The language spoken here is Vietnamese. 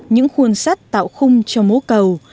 những khuôn sắt tạo khung cho mố cầu